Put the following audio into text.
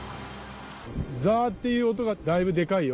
ザっていう音がだいぶデカいよ